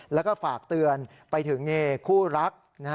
แล้วก็ฝากเตือนไปถึงเอเครื่องคู่รัก